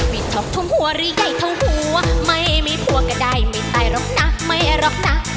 มีทองทวงหัวหรือใหญ่ทองหัวไม่มีผัวก็ได้ไม่ตายหรอกนะไม่หรอกนะ